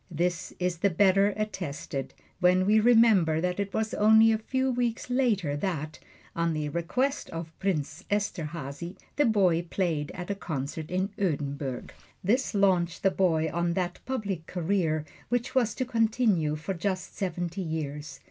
This is the better attested when we remember that it was only a few weeks later that, on the request of Prince Esterhazy, the boy played at a concert in Oedenburg. This launched the boy on that public career which was to continue for just seventy years.